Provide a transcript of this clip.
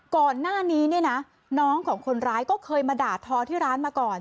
ก่อนหน้านี้เนี่ยนะน้องของคนร้ายก็เคยมาด่าทอที่ร้านมาก่อน